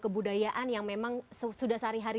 kebudayaan yang memang sudah sehari hari